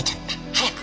早く！